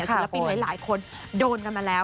ศิลปินหลายคนโดนกันมาแล้ว